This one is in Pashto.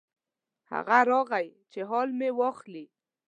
هغه راغی چې حال مې واخلي.